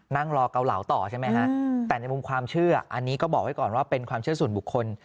นั่งรอเกาเหลาต่อใช่ไหมฮะแต่ในมุมความเชื่ออันนี้ก็บอกไว้ก่อนว่าเป็นความเชื่อส่วนบุคคล